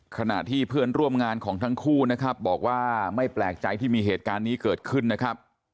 ขณะที่เพื่อนร่วมงานของทั้งคู่นะครับบอกว่าไม่แปลกใจที่มีเหตุการณ์นี้เกิดขึ้นนะครับ